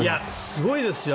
すごいですよ